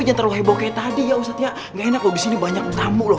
nggak enak kalau di sini banyak tamu loh